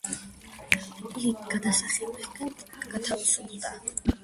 იგი გადასახადებისგან გათავისუფლდა.